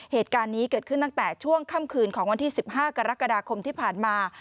เหตุการณ์นี้เกิดขึ้นตั้งแต่ช่วงค่ำคืนของวันที่๑๕กรกฎาคมที่ผ่านมา